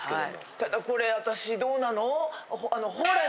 ただこれあたしどうなの？